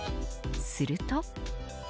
すると。